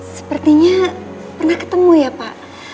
sepertinya pernah ketemu ya pak